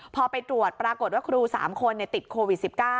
พอไปตรวจปรากฏว่าครู๓คนติดโควิด๑๙